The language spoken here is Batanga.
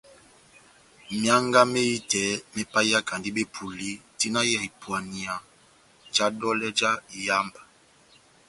Mianga mehitɛ me paiyakandi bepuli tina ya ipuania ja dolɛ já iyamba